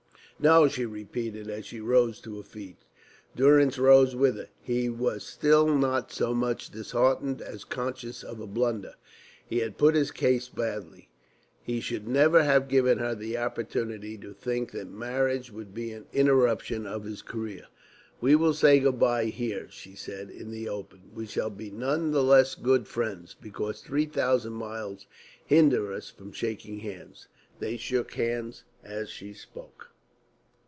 "No," she repeated, as she rose to her feet. Durrance rose with her. He was still not so much disheartened as conscious of a blunder. He had put his case badly; he should never have given her the opportunity to think that marriage would be an interruption of his career. "We will say good bye here," she said, "in the open. We shall be none the less good friends because three thousand miles hinder us from shaking hands." They shook hands as she spoke.